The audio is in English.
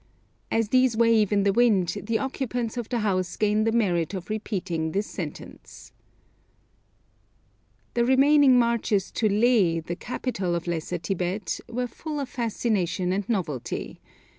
As these wave in the wind the occupants of the house gain the merit of repeating this sentence. [Illustration: A HAND PRAYER CYLINDER] The remaining marches to Leh, the capital of Lesser Tibet, were full of fascination and novelty.